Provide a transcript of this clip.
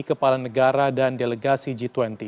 kepala negara dan delegasi g dua puluh